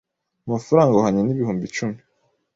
amafaranga ahwanye n’ibihumbi icumi